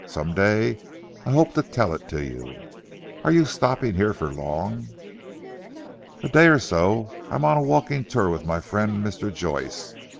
Some day I hope to tell it to you. Are you stopping here for long?" "A day or so. I am on a walking tour with my friend Mr. Joyce.